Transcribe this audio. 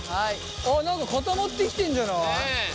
何か固まってきてんじゃない？